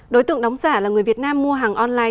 đối tượng đóng giả là người việt nam mua hàng online